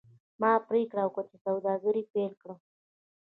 ما پریکړه وکړه چې سوداګري پیل کړم.